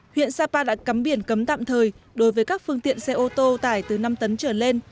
huyện sapa đã cắm biển cấm tạm thời đối với các phương tiện xe ô tô tải từ năm tấn trở lên